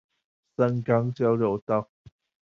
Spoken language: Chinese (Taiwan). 神岡交流道